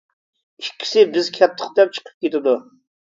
ئىككىسى: بىز كەتتۇق دەپ چىقىپ كېتىدۇ.